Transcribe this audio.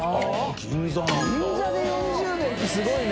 銀座で４０年ってすごいな。